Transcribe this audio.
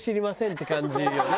って感じよね。